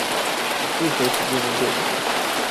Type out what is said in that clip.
不索取不能對獎